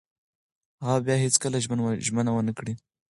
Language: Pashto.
هغه به بیا هیڅکله ژمنه ونه کړي.